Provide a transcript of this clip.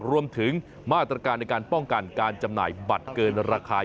รวมถึงมาตรการในการป้องกันการจำหน่ายบัตรเกินราคา